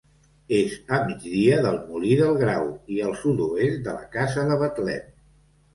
És a migdia del Molí del Grau i al sud-oest de la casa de Betlem.